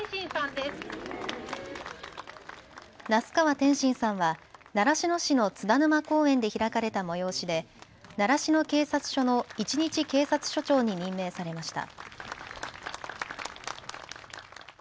那須川天心さんは習志野市の津田沼公園で開かれた催しで習志野警察署の１日警察署長に任命されました。